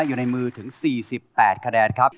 อยู่ในมือถึง๔๘คะแนนครับ